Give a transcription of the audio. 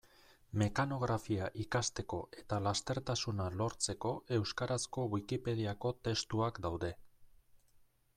Mekanografia ikasteko eta lastertasuna lortzeko euskarazko Wikipediako testuak daude.